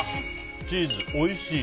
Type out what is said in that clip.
チーズ、おいしい！